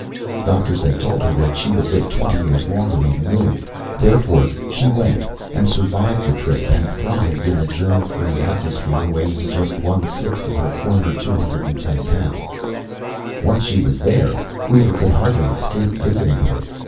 Doctors had told her that she would live twenty years longer on the Moon; therefore she went, and survived the trip, and thrived in the germ free atmosphere, weighing just one sixth of her former two hundred and ten pounds. Once, she was there, Weaver could hardly escape visiting her.